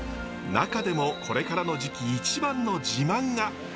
中でもこれからの時期一番の自慢が。